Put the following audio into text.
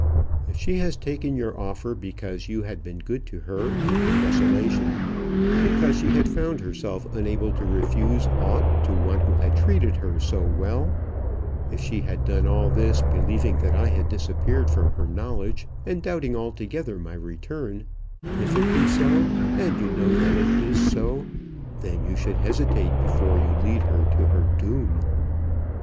If she has taken your offer because you had been good to her in her desolation, because she had found herself unable to refuse aught to one who had treated her so well; if she had done all this, believing that I had disappeared from her knowledge, and doubting altogether my return; if it be so and you know that it is so then you should hesitate before you lead her to her doom."